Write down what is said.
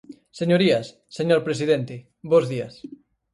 Señorías, señor presidente, bos días.